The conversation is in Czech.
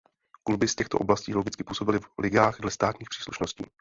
Kluby z těchto oblastí logicky působily v ligách dle státních příslušností.